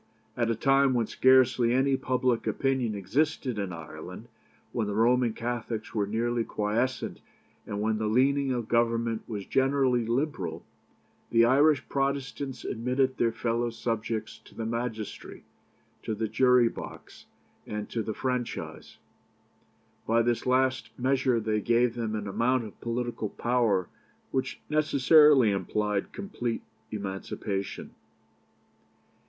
At a time when scarcely any public opinion existed in Ireland, when the Roman Catholics were nearly quiescent, and when the leaning of Government was generally liberal, the Irish Protestants admitted their fellow subjects to the magistracy, to the jury box, and to the franchise. By this last measure they gave them an amount of political power which necessarily implied complete emancipation.